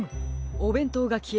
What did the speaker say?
おべんとうがきえ